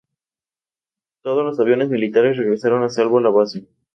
Ella se ha presentado en lugares como Madison Square Garden y The Miami Arena.